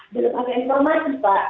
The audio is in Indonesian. belum ada informasi pak